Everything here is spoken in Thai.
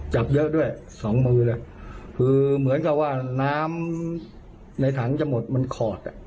จับเยอะด้วยสองมือเลยคือเหมือนกับว่าน้ำในถังจะหมดมันขอดอ่ะ